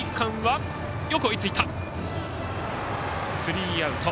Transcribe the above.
スリーアウト。